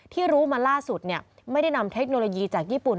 รู้มาล่าสุดไม่ได้นำเทคโนโลยีจากญี่ปุ่น